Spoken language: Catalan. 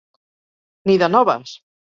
Ni de noves!